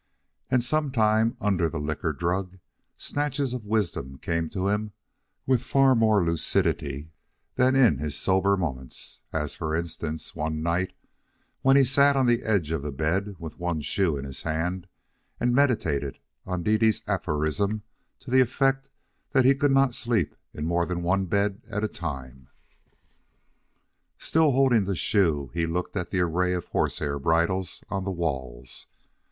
And sometime under the liquor drug, snatches of wisdom came to him far more lucidity than in his sober moments, as, for instance, one night, when he sat on the edge of the bed with one shoe in his hand and meditated on Dede's aphorism to the effect that he could not sleep in more than one bed at a time. Still holding the shoe, he looked at the array of horsehair bridles on the walls.